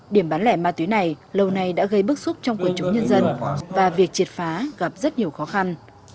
điểm bán lẻ ma túy này lâu nay đã gây bức xúc trong quần chúng nhân dân và việc triệt phá gặp rất nhiều khó khăn